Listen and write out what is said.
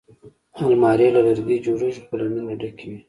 الماري له لرګي جوړېږي خو له مینې ډکې وي